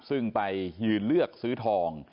ซึ่งไปยืนเลือกซื้อทอง